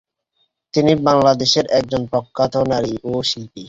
তিনি বাংলাদেশের একজন প্রখ্যাত নারী ও শিল্পী।